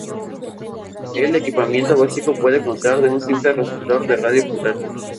El equipamiento básico puede constar de un simple receptor de radio portátil.